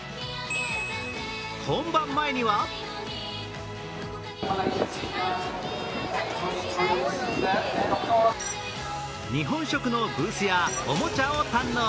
本番前には日本食のブースやおもちゃを堪能。